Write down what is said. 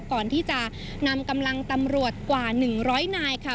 ก่อนที่จะนำกำลังตำรวจกว่า๑๐๐นายค่ะ